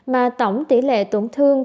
mà tổng tỷ lệ tổn thương